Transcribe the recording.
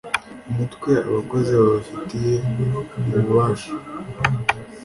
Umutwe abakozi babifitiye ububasha